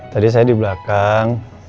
tadi saya di belakang